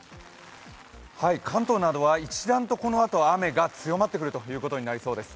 関東などは一段とこのあと、雨が強まってくることになりそうです。